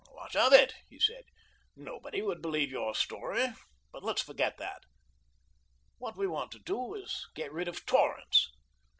"What of it?" he said. "Nobody would believe your story, but let's forget that. What we want to do is get rid of Torrance."